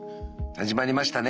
始まりましたね。